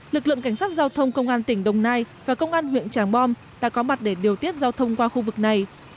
lực lượng cảnh sát giao thông công an tỉnh đồng nai và công an huyện tràng bom đã có mặt để điều tiết giao thông qua khu vực này